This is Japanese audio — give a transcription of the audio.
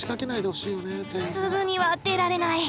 すぐには出られない。